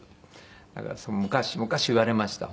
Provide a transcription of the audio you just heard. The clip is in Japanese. だから昔言われました